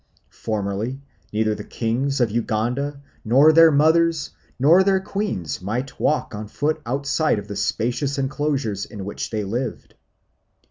Formerly neither the kings of Uganda, nor their mothers, nor their queens might walk on foot outside of the spacious enclosures in which they lived.